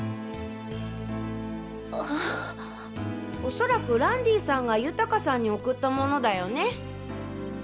恐らくランディさんが豊さんにおくったものだよね。